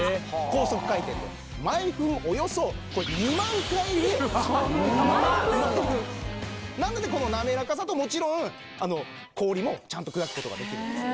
高速回転で毎分およそ２万回転なのでこのなめらかさともちろん氷もちゃんと砕くことができるんです